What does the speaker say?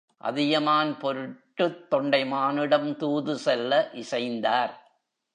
அதியமான் பொருட்டுத் தொண்டைமானிடம் தூதுசெல்ல இசைந்தார்.